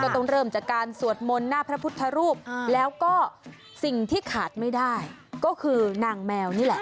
ต้องเริ่มจากการสวดมนต์หน้าพระพุทธรูปแล้วก็สิ่งที่ขาดไม่ได้ก็คือนางแมวนี่แหละ